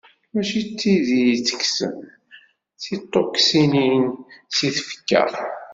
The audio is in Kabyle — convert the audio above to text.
Mačči d tidi i itekksen tiṭuksinin seg tfekka.